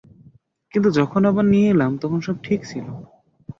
কিন্তু যখন আবার নিয়ে এলাম তখন সব ঠিক ছিল।